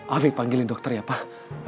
afiq panggilin dokter ya pak